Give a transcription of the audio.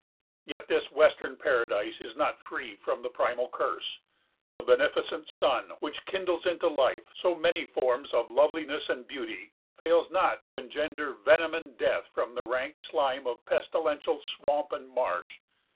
Yet this western paradise is not free from the primal curse. The beneficent sun, which kindles into life so many forms of loveliness and beauty, fails not to engender venom and death from the rank slime of pestilential swamp and marsh.